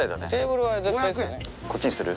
こっちにする？